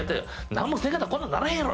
「何もせんかったらこんなんならへんやろ！